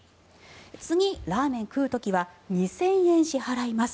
次、ラーメン食う時は２０００円支払います。